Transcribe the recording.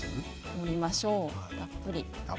盛りましょうたっぷり。